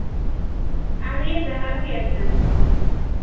عليّ الذّهاب يا سامي.